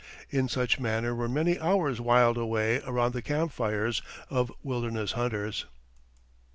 In such manner were many hours whiled away around the camp fires of wilderness hunters.